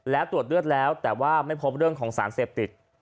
และตรวจเลือดแล้วแต่ว่าไม่พบเรื่องของสารเสพติด